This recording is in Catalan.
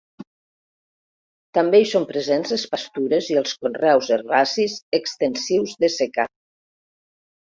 També hi són presents les pastures i els conreus herbacis extensius de secà.